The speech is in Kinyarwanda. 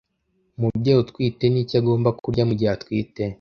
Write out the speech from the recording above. Umubyeyi utwite niki agomba kurya mugihe atwite?